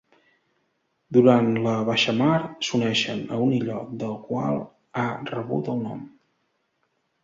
Durant la baixamar s'uneix a un illot del qual ha rebut el nom.